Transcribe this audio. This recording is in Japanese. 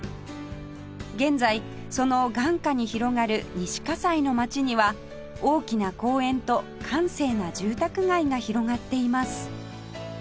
現在その眼下に広がる西西の街には大きな公園と閑静な住宅街が広がっています